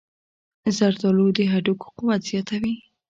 زردآلو د هډوکو قوت زیاتوي.